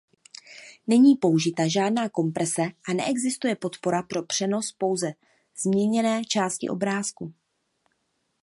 Není použita žádná komprese a neexistuje podpora pro přenos pouze změněné části obrázku.